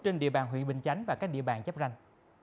trên địa bàn huyện bình chánh và các địa bàn chấp ranh